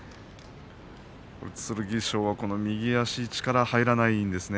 剣翔は右足に力が入らないんですね。